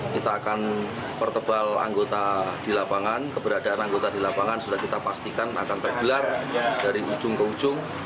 kita akan pertebal anggota di lapangan keberadaan anggota di lapangan sudah kita pastikan akan tergelar dari ujung ke ujung